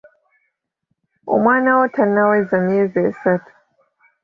Omwana wo tannaweza myezi esatu.